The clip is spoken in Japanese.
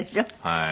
はい。